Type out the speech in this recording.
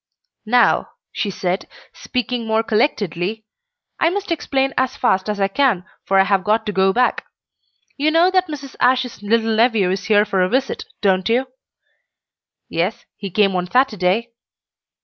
"Now," she said, speaking more collectedly, "I must explain as fast as I can, for I have got to go back. You know that Mrs. Ashe's little nephew is here for a visit, don't you?" "Yes, he came on Saturday."